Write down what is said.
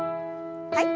はい。